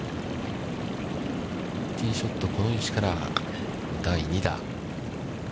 ティーショット、この位置から第２打。